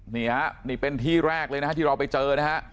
นี่ฮะนี่เป็นที่แรกเลยนะฮะที่เราไปเจอนะฮะ